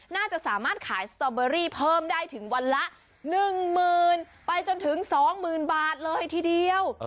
น่าจะสามารถขายสตอเบอรี่เพิ่มได้ถึงวันละ๑๐๐๐ไปจนถึง๒๐๐๐บาทเลยทีเดียว